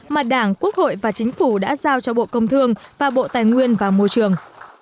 mà đảng quốc hội và chính phủ đã giao cho bộ công thương và bộ tài nguyên và môi trường